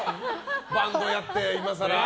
バンドやって、今更。